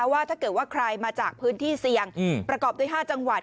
ว่าถ้าเกิดว่าใครมาจากพื้นที่เสี่ยงประกอบด้วย๕จังหวัด